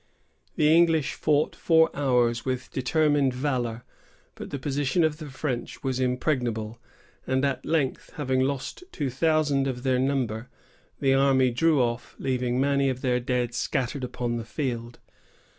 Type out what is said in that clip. The English fought four hours with determined valor, but the position of the French was impregnable; and at length, having lost two thousand of their number, the army drew off, leaving many of their dead scattered upon the field.